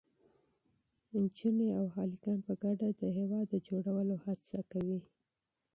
نجونې او هلکان په ګډه د هېواد د جوړولو هڅه کوي.